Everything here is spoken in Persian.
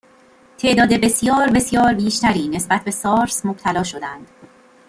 تعداد بسیار بسیار بیشتری نسبت به سارس مبتلا شدهاند